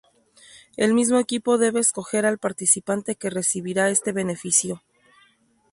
El mismo equipo debe escoger al participante que recibirá este beneficio.